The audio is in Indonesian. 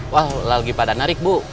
wah lagi pada narik bu